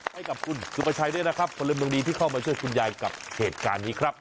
ให้กับคุณสุประชัยด้วยนะครับพลเมืองดีที่เข้ามาช่วยคุณยายกับเหตุการณ์นี้ครับ